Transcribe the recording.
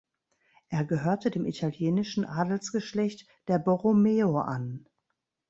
Er gehörte dem italienischen Adelsgeschlecht der Borromeo an.